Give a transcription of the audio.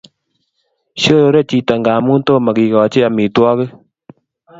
Shorore chiton ngamun tomo kikachi amitwakik